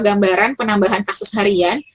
gambaran penambahan kasus harian